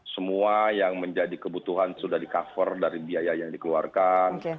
semua yang menjadi kebutuhan sudah di cover dari biaya yang dikeluarkan